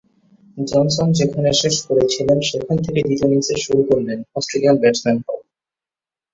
Johnson যেখানে শেষ করেছিলেন সেখান থেকেই দ্বিতীয় ইনিংসের শুরু করলেন অস্ট্রেলিয়ান ব্যাটসম্যানরাও।